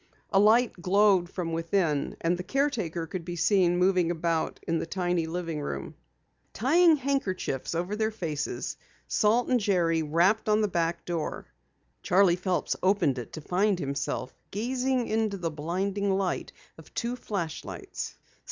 A light glowed from within, and the caretaker could be seen moving about in the tiny living room. Tying handkerchiefs over their faces, Salt and Jerry rapped on the back door. Charley Phelps opened it to find himself gazing into the blinding light of two flashlights.